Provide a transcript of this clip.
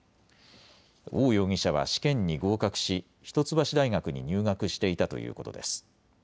王容疑者は試験に合格し一橋大学に入学していたということです。